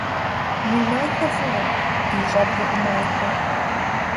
Уи махуэ фӏыуэ, ди щӏэблэ ӏумахуэ!